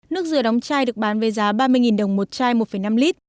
nước dừa đóng chai được bán với giá ba mươi đồng một chai một năm lít